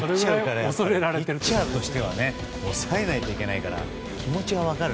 ピッチャーとして押さえないといけないから気持ちは分かる。